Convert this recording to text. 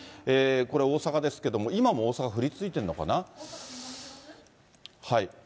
これ、大阪ですけれども、今も大阪、降り続いてるのかな？